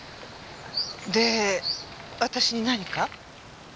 で私に何か？